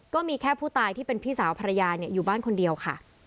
ก็มีแค่ผู้ตายที่เป็นพี่สาวภรรยาอยู่บ้านคนเดียวค่ะ